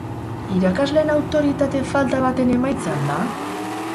Irakasleen autoritate falta baten emaitza al da?